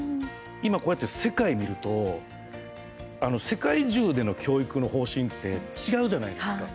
今こうやって世界を見ると世界中での教育の方針って違うじゃないですか。